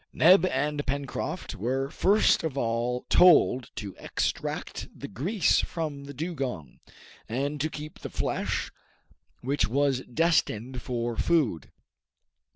Neb and Pencroft were first of all told to extract the grease from the dugong, and to keep the flesh, which was destined for food.